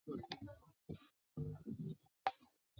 炮管本身的旋转则是由飞机携带的双液压系统驱动。